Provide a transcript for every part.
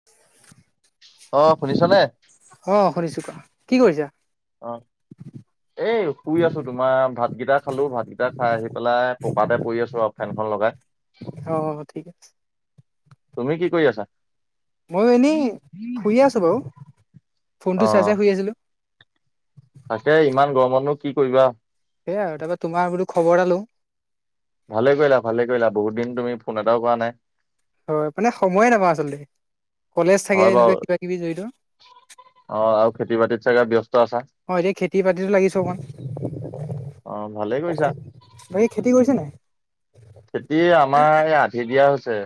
[inaudible] অ শুনিছ নে? অঁ শুনিছোঁ কোৱা, কি কৰিছা? অ এই শুই আছো তোমাৰ ভাতকেইটা খালো ভাতকেইটা খাই আহি পেলাই পকাতে পৰি আছো। ফেনখন লগাই- অ ঠিক আছে। তুমি কি কৰি আছা? ময়ো এনেই শুইে আছোঁ বাৰু অ ফোনটো চাই চাই শুই আছিলোঁ। তাকে ইমান গৰমতনো কি কৰিবা? সেইয়া আৰু তাৰ পৰা তোমাৰ বোলো খবৰ এটা লও। ভালে কৰিলা ভালে কৰিলা বহুত দিন তুমি ফোন এটাও কৰা নাই। হয় মানে সময়ে নাপাওঁ আচলতে, কলেজ থাকে হয় বাৰু এনেকুৱা কিবা কিবি জড়িত। অ আৰু খেতি বাতিত চাগে ব্যস্ত আছা? অ এতিয়া খেতি বাতিতো লাগিছো অকমান অ ভালেই কৰিছা। বাকি খেতি কৰিছে নাই? খেতি আমাৰ এই আন্ধি দিয়া হৈছে।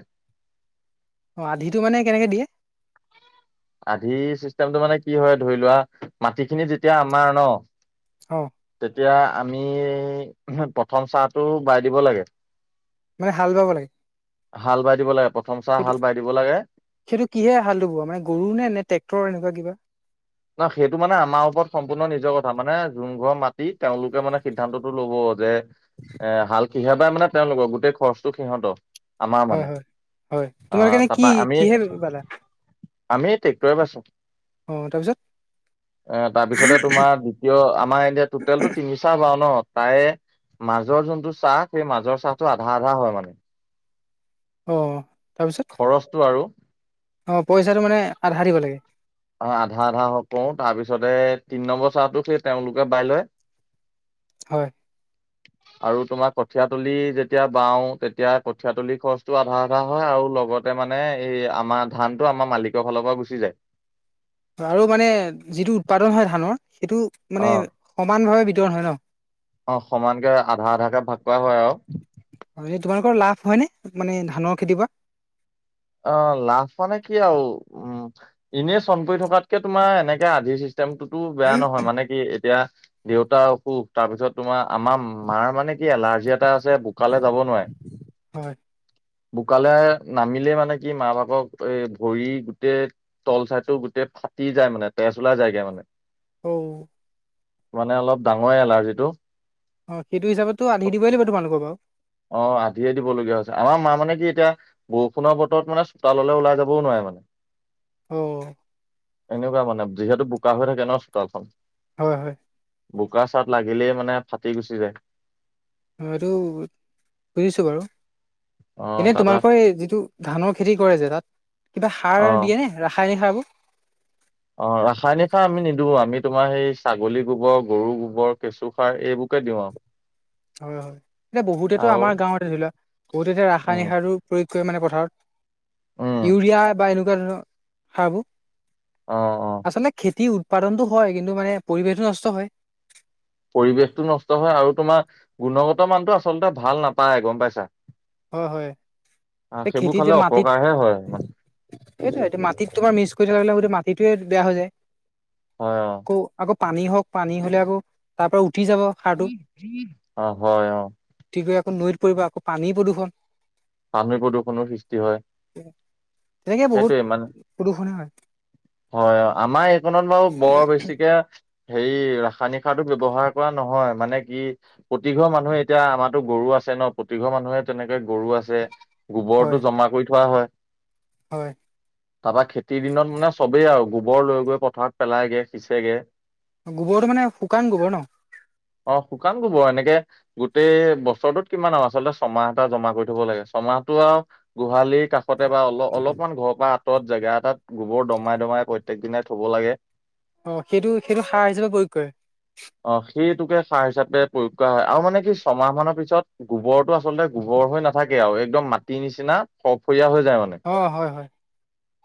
অ আন্ধিটো মানে কেনেকে দিয়ে? আন্ধি চিষ্টেমটো মানে কি হয় ধৰি লোৱা মাটিখিনি যেতিয়া আমাৰ ন, অ তেতিয়া আমি প্ৰথম চাটো বাই দিব লাগে। মানে হাল বাব লাগে হাল বাই দিব লাগে প্ৰথম চা সেইটো হাল বাই দিব লাগে। সেইটো কিহে হালটো বোৱা মানে গৰু নে নে টেক্টৰ এনেকা কিবা? ন সেইটো মানে আমাৰ ওপৰত সম্পূৰ্ণ নিজৰ কথা মানে জোনঘৰ মাতি তেওঁলোকে মানে সিদ্ধান্তটো ল'ব যে- এ হাল কিহে বায় মানে তেওঁলোকৰ গোটেই খৰচটো সিহঁত। আমাৰ হয় মানে হয় হয় অ তোমালোকে এনে কি তাৰপা আমি কিহে বালা আমি ট্ৰেক্টৰে বাইছো। অঁ তাৰপিছত? এ তাৰপিছতে তোমাৰ দ্বিতীয় আমাৰ এয়া টুটেলটো তিনিচা বাও ন তাই- মাজৰ যোনটো চা সেই মাজৰ চাটো আধা আধা হয় মানে। অঁ তাৰপিছত? খৰচটো আৰু? অ পইচাটো মানে আধা দিব লাগে। অ আধা আধা হ কৰো তাৰপিছতে তিনি নম্বৰ চাহতো সেই তেওঁলোকে বাই লয়। [inaudible] হয়। [inaudible] আৰু তোমাৰ কঠিয়াতলি যেতিয়া বাওঁ তেতিয়া কঠিয় তলিৰ খৰচটো আধা আধা হয় আৰু লগত- তাতে মানে এই আমাৰ ধান টো আমাৰ মালিকৰ ফালৰ পৰা গুচি যায়। আৰু মানে যিটো উৎপাদন হয় ধানৰ সেইটো- মানে অ, সমান ভাৱে বিতৰণ হয় ন অ সমানকে আধা আধা কৈ ভাগ পোৱা হয় আৰু। এনে তোমালোকৰ লাভ হয়নে মানে ধানৰ খেতিৰ পৰা। অ লাভ মানে কি আৰু উম এনেই চন পৰি থকাতকে তোমাৰ এনেকে আধিৰ সৃষ্টি- মতো বেয়া নহয় মানে কি এতিয়া- দেউতা অসুখ তাৰপিছত তোমাৰ আমাৰ মাৰ মানে- কি এলাৰ্জি এটা আছে বোকালে যাব নোৱাৰে, হয় বোকালে নামিলে মানে- নে কি মা বাপক এ ভৰি গোটেই- তল চাইটো গোটেই ফাটি যায় মানে তেজ ওলা যায়গে মানে। অ। মানে অলপ ডাঙৰে এলাৰ্জি টো। অ সেইটো হিচাপত টো অধিদিবই লাগিব বাৰু। অ আধিয়ে দিবলগীয়া হৈছে আমাৰ মা মানে কি এতিয়া- বৰষুণৰ বতৰত মানে চোতাললে ওলাই যাবও নোৱাৰে মানে। অহ। এনেকুৱা মানে যিহেতু বোকা হৈ থাকে ন চোতালখন। হয় হয়। বোকা চাট লাগিলেই মানে ফাটি গুচি যায়। এইটো বুজিছোঁ বাৰু, অ এনেই তাৰপৰা তোমালোকৰ এই যিটো- ধানৰ খেতি কৰে যে তাত, কিবা অ সাৰ দিয়ে নে ৰাসায়নিক সাৰবোৰ? অ ৰাসায়নিক সাৰ আমি নিদো আমি তোমাৰ সেই ছাগলী গোবৰ গৰু গোবৰ কেঁচু সাৰ এইবোৰকে দিওঁ আৰু। [inaudible] হয় হয় এতিয়া বহুতেতো আৰু আমাৰ গাঁৱতে ধৰি লোৱা, বহুতে এতিয়া ৰাসায়নিক উম সাৰ- প্ৰয়োগ কৰে মানে পথাৰত, উম ইউৰিয়া বা এনেকুৱা ধৰৰ সাৰবোৰ। অ অ আচলতে খেতি উৎপাদনতটো হয় কিন্তু মানে পৰিৱেশটো নষ্ট হয়। পৰিৱেশটো নষ্ট হয় আৰু তোমাৰ গুণগত মানটো আচলতে ভাল নাপায় গম পাইছা। হয় হয় অ সেইবোৰ খালে অপকাৰহে হয় মানে। সেইটো এইটো মাটিত তোমাৰ মিচ কৰি থাকিলে সেই মাটিটোয়ে বেয়া হৈ যায়। হয় অ। আকৌ আকৌ পানী হওক পানী হলে আকৌ তাৰ পৰা উঠি যাব। সাৰটো অ হয় অ। উতি গৈ আকৌ নৈত পৰিব আকৌ পানী প্ৰদূষণ। পানী প্ৰদূৰ্ষণৰ সৃষ্টি হয়, তেনেকে বহুত সেইটোৱে মানে- প্ৰদূষণে হয় হয় আমাৰ এইকত বাৰু বৰ বেছিকে- হেৰি ৰাসায়নিক সাৰতো ব্যৱহাৰ কৰা নহয় মানে কি- প্ৰতিঘৰ মানুহে এতিয়া আমাৰো গৰু আছে ন প্ৰতিঘৰ মানুহে তেনেকে গৰু আছে। হয় গোবৰটো জমা কৰি থোৱা হয়। হয়। তাৰপৰা খেতিৰ দিনত মানে চবেই আৰু গোবৰ লৈ গৈ পথাৰত পেলাইগে সিঁচেগে। গোবৰটো মানে শুকান গোবৰ ন অ শুকান কব এনেকে গোটেই বছৰটোত কিমান আৰু আচলতে ছমাহ এটা জমা কৰি থব লাগে ছমাহটো আৰু গোহালিৰ কাষতে বা অলপ অলপমান ঘৰৰ পৰা ত জেগা এটাত গোবৰ দমাই দমাই প্ৰত্যেক দিনাই থ'ব লাগে অ সেইটো সেইটো সাৰ হিচাপে প্ৰয়োগ কৰে অ সেইটোকে সাৰ হিচাপে প্ৰয়োগ কৰা হয় আৰু মানে কি ছমাহ মানৰ পিছত গোবৰটো আচলতে গোবৰ হৈ নাথাকে আৰু একদম মাটি নিচিনা ফৰফৰীয়া হৈ যায় মানে অ হয় হয়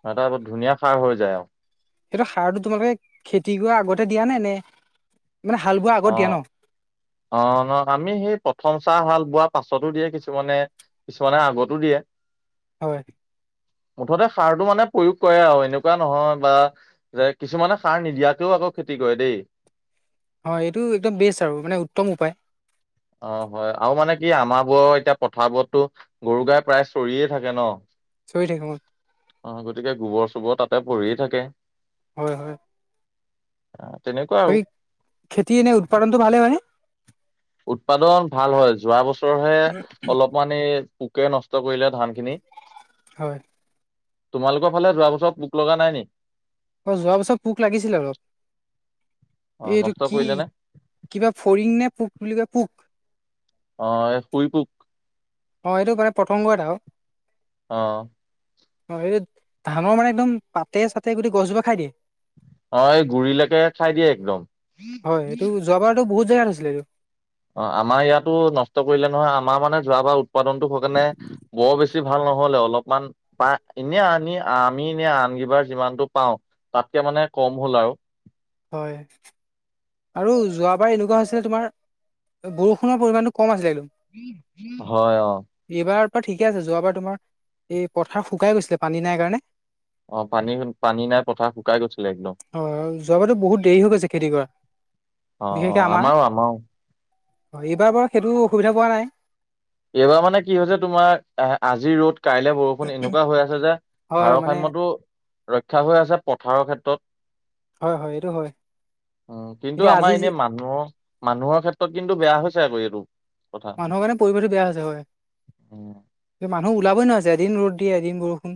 নহ এটা ব ধুনীয়া সাৰ হৈ যায় আৰু সেইটো সাৰটো তোমালোকে খেতি কৰা আগতে দিয়া নে নে মানে হাল বোৱা অ আগত দিয়া ন অ ন আমি সেই প্ৰথম চাহ হাল বোৱা পাছতো দিয়ে কিছুমানে কিছুমানে আগতো দিয়ে হয় মুঠতে সাৰটো মানে প্ৰয়োগ কৰে আৰু এনেকুৱা নহয় বা যে কিছুমানে সাৰ নিদিয়াকেও আকৌ খেতি কৰে দেই হয় এইটো একদম বেচ আৰু মানে উত্তম উপায় অ হয় আৰু মানে কি আমাৰ বোৰৰ এতিয়া পথাৰবোৰতো গৰু গাই প্ৰায় চৰিয়ে থাকে ন [unintelligible] অ গতিকে গোবৰ চোবৰ তাতে পৰিয়ে থাকে হয় হয় আহ তেনেকুৱা বাকী আৰু খেতি এ ননে উৎপাদনতটো ভালে হয়নে? উৎপাদন ভাল হয়। যোৱা বছৰহে অলপ মানে পোকে নষ্ট কৰিলে ধান খিনি হয়। তোমালোকৰ ফালে যোৱাছৰত পোক লগা নাই নেকি? অ যোৱা বছৰ পোক লাগিছিলে অলপ। অ এইটো নষ্ট কি কৰিলে নে কিবা ফৰিং নে পোক বুলি কয়, পোক। অ' শুই পোক। অ সেইটো মানে [unintelligible] আৰু অ' অ' এইটো ধানৰ মানে একদম পাতে চাতে গোটেই গছোপা খাই দিয়ে। অ এই গুৰিলৈকে খাই দিয়ে একদম। যোৱা বাৰত বহুত জেগাত হৈছিলে। অ আমাৰ ইয়াতো নষ্ট কৰিলে নহয় আমাৰ মানে যোৱাবাৰ উৎপাদনটো [unintelligible] বৰ বেছি ভাল নহলে অলপমান পা এনে আনি আমি এনে আন কিবাৰ যিমানতটো পাওঁ তাতকে মানে কম হ'ল আৰু হয়। আৰু যোৱাবাৰ এনেকুৱা হৈছিলে তোমাৰ, বৰষুণৰ পৰিমাণটো কম আছিলে একদম। হয় অ' এইবাৰ ঠিকে আছে। যোৱাবাৰ তোমাৰ এই পথাৰ শুকাই গৈছিলে পানী নাই কাৰণে। অ' পানী পানী নাই পথাৰ শুকাই গৈছিলে একদম। অ যোৱাবাতো বহুত দেৰি হৈ গৈছে খেতি কৰা, অ অ বিশেষকে আমাৰ। আমাৰো আমাৰো হয়, এইবাৰ বাৰু সেইটো অসুবিধা পোৱা নাই। এইবাৰ মানে কি হৈছে তোমাৰ, আহ আজি ৰ'দ কাইলে বৰষুণ এনেকুৱা হৈ আছে যে। হয় হয় মানে ভাৰসাম্যটো ৰক্ষা হৈ আছে পথাৰৰ ক্ষেত্ৰত। হয় হয় এইটো হয় উম, কিন্তু এতিয়া আজি আমাৰ যি এনে মানু মানুহৰ মানুহৰ ক্ষেত্ৰত কিন্তু বেয়া হৈছে আকৌ এইটো কথা। পৰিবেশটো বেয়া হৈছে হয়, উম মানুহ ওলাবই নোৱাৰ হৈছে। এদিন ৰ'দ দিয়ে এদিন বৰষুণ।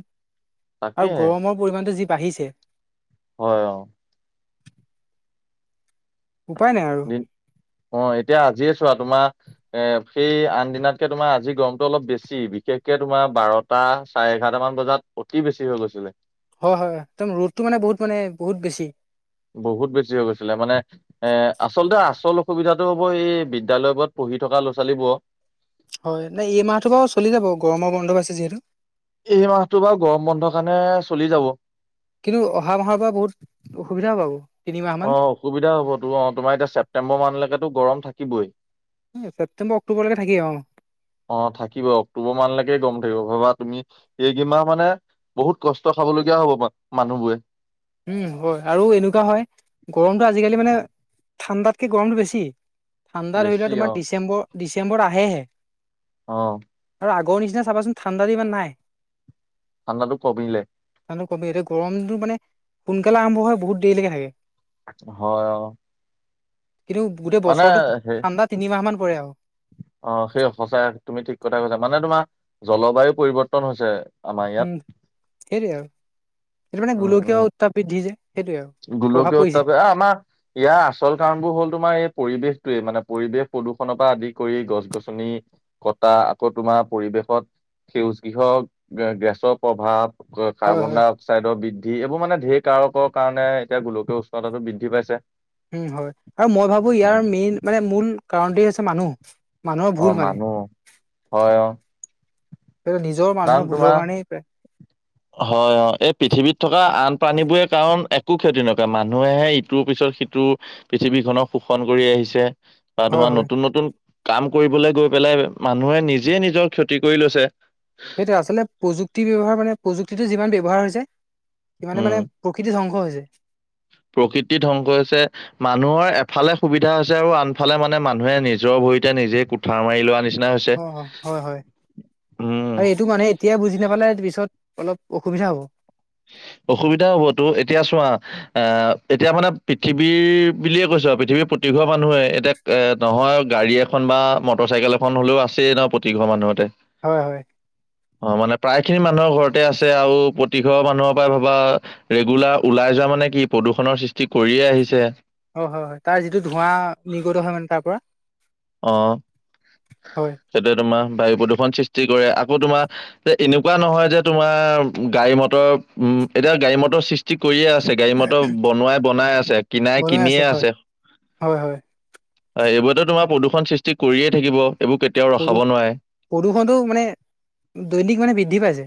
আৰু তাকেহে গৰমৰ পৰিমাণটো যি বাঢ়িছে। হয় অ'। উপায় নাই আৰু। দিন অ', এতিয়া আজিয়ে চোৱা, তোমাৰ এ সেই আন দিনাতকে তোমাৰ আজি গৰমটো অলপ বেছি। বিশেষকে তোমাৰ বাৰতা টা চাৰে এঘাৰটা মান বজাত অতি বেছি হৈ গৈছিলে। হয়, হয়, একদম ৰ'দটো মানে বহুত মানে বহুত বেছি। বহুত বেছি হৈ গৈছিলে মানে এ আচলতে আচল অসুবিধাতটো হ'ব এই বিদ্যালয়বোৰত পঢ়ি থকা ল'ৰা-ছোৱালীবোৰৰ। হয়, নাই এই মাহটো বাৰু চলি যাব, গৰমৰ বন্ধ পাইছে যিহেতু। এই মাহটো বাৰু গৰম বন্ধৰ কাৰণে চলি যাব। কিন্তু অহা মাহৰ পৰা বহুত অসুবিধা হ'ব আকৌ। অ', অসুবিধা হ'ব তো, অ', তোমাৰ এতিয়া ছেপটেম্বৰ মাহলৈকেতো গৰম থাকিবই। ছেপ্তেম্বৰ অক্টোবৰলৈকে থাকেই, অ'। অ', থাকিব অক্টোবৰ মাহলৈকে গৰম থাকিব। ভাবা তুমি এইকেইমাহ মানে বহুত কষ্ট খাবলগীয়া হ'ব মানুহ বোৰে। উম, হয়। আৰু এনেকুৱা হয় গৰমটো আজিকালি মানে ঠাণ্ডাতকে গৰমটো বেছি। ঠাণ্ডাত ধৰি লও বেছি তোমাৰ অ ডিচেম্বৰ ডিচেম্বৰ আহেহে। অ'। আগৰ নিচিনা চাবাচোন ঠাণ্ডাটো ইমান নাই। ঠাণ্ডাটো কমিলে। কমিলে এতিয়া গৰমটো মানে সোনকালে আৰম্ভ হয় বহুত দেৰিলৈকে থাকে। হয়, অ'। কিন্তু গোটেই মানে বছৰটো সেই ঠাণ্ডা তিনিমাহ মান পৰে আৰু। অ', সেই সঁচাই তুমি ঠিক কথাই কৈছা। মানে তোমাৰ জলবায়ু পৰিৱৰ্তন হৈছে। আমাৰ ইয়াত উম, সেইটোৱেই আৰু এইটো মানে গুলকীয়া উত্তাপবৃদ্ধি যে। সেইটোৱে আৰু প্ৰভাৱ গোলোকীয় পৰিছে। উত্তাপে আমাৰ ইয়াৰ আচল কাৰণবোৰ হ'ল তোমাৰ এই পৰিৱেশটোৱে। মানে পৰিৱেশ প্ৰদূষণৰ পৰা আদি কৰি গছ-গছনি কটা আকৌ তোমাৰ পৰিৱেশত সেউজগৃহ গেছৰ প্ৰভাৱ। হয় কাৰ্বন হয়। ডাই অক্সাইডৰ বৃদ্ধি এইবোৰা মানে ধেৰ কাৰকৰ কাৰণে এতিয়া গোলকীয় উষ্ণতাটো বৃদ্ধি পাইছে। উম, হয় আৰু মই ভাবো ইয়াৰ উম। মেইন মানে মূল কাৰণটোৱে হৈছে মানুহ। মানুহৰ ভুল অ', মানে মানুহ হয় অ'। সেইটো নিজৰ মানুহৰ কাৰণ ভুলৰ তোমাৰ কাৰণেই প্ৰায়। হয়, অ', এই পৃথিৱীত থকা আন প্ৰানীবোৰে কাৰণ একো ক্ষতি নকৰে, মানুহেহে ইটোৰ পিছত সিটো পৃথিৱীখনক শোষণ কৰি আহিছে। বা হয় তোমাৰ হয়। নতুন নতুন কাম কৰিবলৈ গৈ পেলাই মানুহে নিজে নিজৰ ক্ষতি কৰি লৈছে। সেইটো আচলতে প্ৰযুক্তি ব্যৱহাৰ মানে প্ৰযুক্তিটো যিমান ব্যৱহাৰ হৈছে, সিমানে উম মানে প্ৰকৃতি ধ্বংস হৈছে। প্ৰকৃতি ধ্বংস হৈছে মানুহৰ এফালে সুবিধা হৈছে আৰু আনফালে মানে মানুহে নিজৰ ভৰিতে নিজে কুঠাৰ মাৰি লোৱা নি অ অ হয় হয় উম আৰু এইটো মানে তেতিয়া বুজি নাপালে পিছত অলপ অসুবিধা হ'ব অসুবিধা হ'বতো এতিয়া চোৱা আ এতিয়া মানে পৃথিৱীৰ বুলিয়ে কৈছো আৰু পৃথিৱীৰ প্ৰতিঘৰ মানুহে এতিয়া এ নহয় গাড়ী এখন বা মটৰ চাইকেল এখন হলেও আছেই ন প্ৰতিঘৰ মানুহতে হয় হয় অ মানে প্ৰায় খিনি মানুহৰ ঘৰতে আছে আৰু প্ৰতি ঘৰ মানুহৰ পাই ভবা ৰেগুলাৰ ওলাই যোৱা মানে কি প্ৰদূষণৰ সৃষ্টি কৰিয়ে আহিছে হয় হয় হয় তাৰ যিটো ধোঁৱা নিৰ্গত হয় মানে তাৰ পৰা অ সেইটোৱে তোমাৰ বায়ু প্ৰদূষণৰ সৃষ্টি কৰে আকৌ তোমাৰ যে এনেকুৱা নহয় যে তোমাৰ গাড়ী মটৰ উম এতিয়া গাড়ী মটৰ সৃষ্টি কৰিয়ে আছে গাড়ী মটৰ বনোৱাই বনাই আছে কিনাই বনোৱাই কিনিয়ে হয়। আছে হয় হয় এইবোৰতে তোমাৰ প্ৰদূষণ সৃষ্টি কৰিয়ে থাকিব এইবোৰ কেতিয়াও প্ৰদূ ৰখাব নোৱাৰে প্ৰদূষণটো মানে দৈনিক মানে বৃদ্ধি পাইছে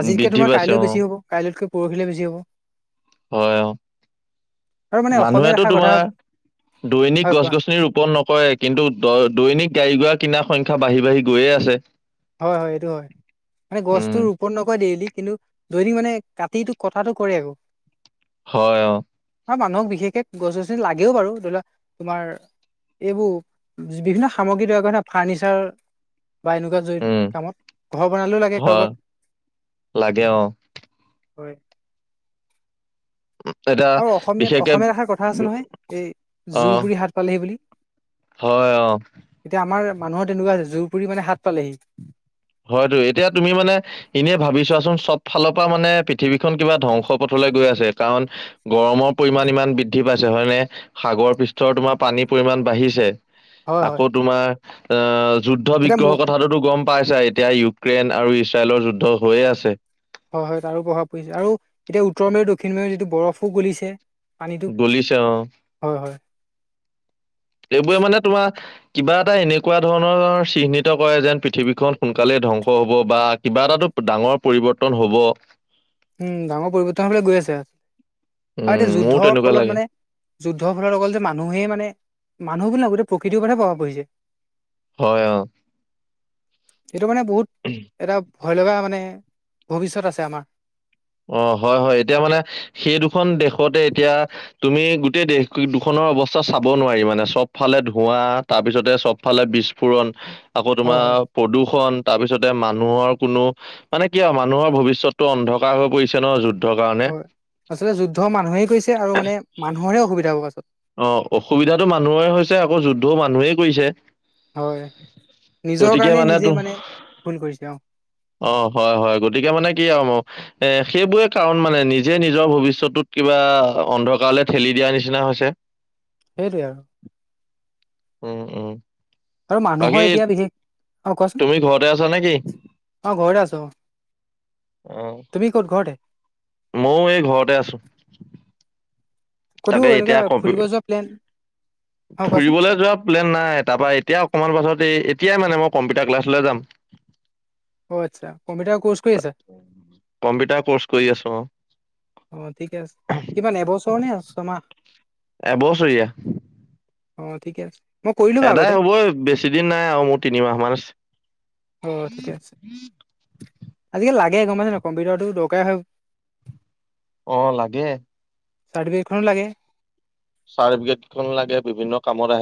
উম, আজিতকে বৃদ্ধি তোমাৰ পাইছে কাইলৈ অ বেছি হ'ব কাইলৈতকৈ পৰহিলৈ বেছি হব হয় অ আৰু মানে অসমীয়াত মানুহেটো এষাৰ কথা তোমাৰ দৈনিক হয় গছ কোৱা গছনি ৰোপন ন কয় কিন্তু দ দৈনিক গাড়ী গুৰা কিনাৰ সংখ্যা বাঢ়ি বাঢ়ি গৈয়ে আছে হয় হয় এইটো হয় মানে গছটো উম নকয় দেইলি কিন্তু দৈনিক মানে কাটিটো কটাটো কৰে আকৌ হয় অ আৰু মানুহক বিশেষকে গছ গছনি লাগেও বাৰু ধৰি লোৱা তোমাৰ এইবোৰ বিভিন্ন সামগ্ৰী তৈয়াৰ কৰে নহয় ফাৰ্ণিচাৰ বা এনেকুৱা জ উম কামত ঘৰ বনালেও লাগে হয় কাৰোবাক লাগে অ হয় এতিয়া আৰু অসমীয়াত বিশেষকে অসমীয়াত এষাৰ কথা আছে উম, নহয় এই অ জোৰবুৰি হাত পালেহি বুলি হয় অ এতিয়া আমাৰ মানুহৰ তেনেকুৱা হৈছে জোৰ পুৰি মানে হাত পালেহি হয়টো এতিয়া তুমি মানে এনে ভাবি চোৱাচোন চব ফালৰ পা মানে পৃথিৱীখন কিবা ধ্বংস পথলে গৈ আছে কাৰণ গৰমৰ পৰিমান ইমান বৃদ্ধি পাইছে হয়নে সাগৰ পৃষ্ঠৰ তোমাৰ পানীৰ পৰিমাণ বাঢ়িছে হয় আকৌ হয় তোমাৰ এ যুদ্ধ এতিয়া মোৰ বিগ্ৰহৰ কথাটোতো গম পাইছাই এতিয়া ইউক্ৰেইন আৰু ইজৰাইলৰ যুদ্ধ হৈয়ে আছে হয় হয় তাৰো প্ৰভাৱ পৰিছে আৰু এতিয়া উত্তৰ মেৰু দক্ষিণ মেৰুও যিটো বৰফো গলিছে পানীটো গলিছে অ হয় হয় এইবোৰে মানে তোমাৰ কিবা এটা এনেকুৱা ধৰণৰ চিহ্নিত কৰে যেন পৃথিৱীখন সোনকালে ধ্বংস হব বা কিবা এটাতো ডাঙৰ পৰিৱৰ্তন হব উম ডাঙৰ পৰিৱৰ্তন হবলে গৈ আছে আৰু উম এতিয়া মোৰো যুদ্ধৰ তেনেকুৱা ফলত লাগে মানে যুদ্ধৰ ফলত অকল যে মানুহেই মানে মানুহ বুলি নহয় গোটেই প্ৰকৃতিৰ ওপৰতে প্ৰভাৱ পৰিছে হয় অ সেইটো কাৰণে বহুত এটা ভয় লগা মানে ভৱিষ্যয়ত আছে আমাৰ। অ হয় হয় এতিয়া মানে সেই দুখন দেশতে এতিয়া তুমি গোটেই দেশ দুখনৰ অৱস্থা চাব নোৱাৰি মানে চব ফালে ধোৱা তাৰপিছতে চবফালে বিস্ফোৰণ আকৌ হয় তোমাৰ হয় প্ৰদূষণ তাৰপিছতে মানুহৰ কোনো মানে কি হয় মানুহৰ ভৱিষ্যতটো অন্ধ হৈ পৰিছে ন যুদ্ধ হয় আচলতে যুদ্ধ মানুহেই কৰিছে আৰু মানে মানুহৰহে অসুবিধা হ'ব পাছত। অ অসুবিধাতটো মানুহৰে হৈছে, আকৌ যুদ্ধও মানুহেই কৰিছে। হয় নিজৰ গতিকে কাৰণে নিজে তো মানে ভুল কৰিছে অ। অ হয় হয় গতিকে মানে কি আৰু মোৰ এ সেইবোৰে কাৰণ মানে নিজে নিজৰ ভৱিষ্যটোত কিবা অন্ধকাৰলে ঠেলি দিয়া নিচিনা হৈছে। [inaudible] সেইটোৱে আৰু। উম উম। আৰু মানুহৰ বাকী এতিয়া বিশেষ, অ কোৱাচোন, তুমি ঘৰতে আছা নেকি? অ ঘৰতে আছো অ। অ তুমি ক'ত ঘৰতে ময়ো এই ঘৰতে আছো। ক'তো তাকে এনেকুৱা এতিয়া কম্পি ফুৰিব যোৱা প্লেন অ', কোৱাচোন ফুৰিবলৈ যোৱা প্লেন নাই, তাৰপা এতিয়া অকণমান পাছত এই এতিয়াই মানে মই কম্পিউটাৰ ক্লাছলৈ যাম। অ আচ্ছা কম্পিউটাৰ কৰ্চ কৰি আছা? কম্পিউটাৰ কৰ্চ কৰি আছো অ। অ ঠিকে আছে। কিমান এবছৰ নে ছমাহ? এবছৰীয়া। অ ঠিকে আছে। মই কৰিলো বাৰু এদাই আগতে হ'বই বেছি দিন নাই আৰু মোৰ তিনিমাহ মান আছে। অ ঠিকে আছে। আজিকালি লাগে গমাইছে নাই কম্পিউটাৰটো দৰকাৰে হয় অ লাগে। চাৰ্টিফিকেট খনো লাগে। চাৰ্টিফিকেট খন লাগে বিভিন্ন কামত আহে